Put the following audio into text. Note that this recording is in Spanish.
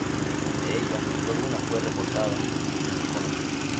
De ellas solo una fue reportada en el Cono Sur.